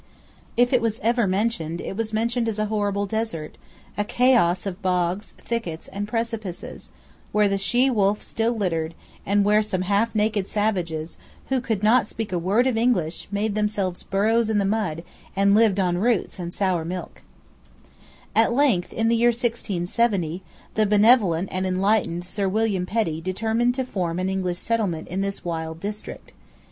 If ever it was mentioned, it was mentioned as a horrible desert, a chaos of bogs, thickets, and precipices, where the she wolf still littered, and where some half naked savages, who could not speak a word of English, made themselves burrows in the mud, and lived on roots and sour milk, At length, in the year 1670, the benevolent and enlightened Sir William Petty determined to form an English settlement in this wild district.